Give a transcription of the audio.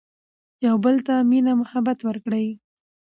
يو بل ته مينه محبت ور کړي